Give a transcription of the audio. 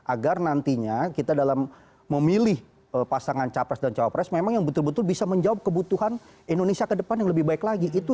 agar nantinya kita dalam memilih pasangan capres dan cawapres memang yang betul betul bisa menjawab kebutuhan indonesia ke depan yang lebih baik lagi